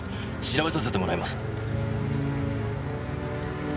調べさせてもらいます。